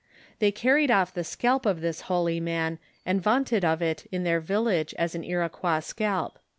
They carried off the scalp of this holy man, and vaunted of it in their village as an Iroquois Bcalp.